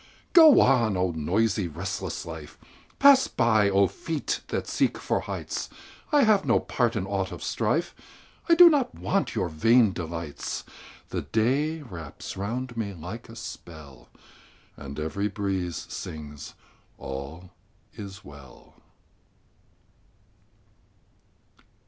Go on, oh, noisy, restless life! Pass by, oh, feet that seek for heights! I have no part in aught of strife; I do not want your vain delights. The day wraps round me like a spell, And every breeze sings, "All is well."